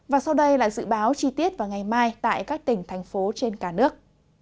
và sau đây là dự báo chi tiết vào ngày mai tại các tỉnh thành phố trên cả nước